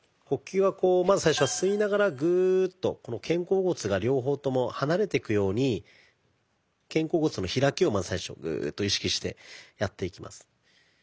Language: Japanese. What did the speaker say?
呼吸はこうまず最初は吸いながらグーッと肩甲骨が両方とも離れてくように肩甲骨の開きをまず最初はグーッと意識してやっていきます。